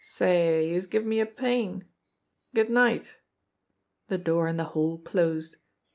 Say, youse give me a pain! Good night!" The door in the hall closed.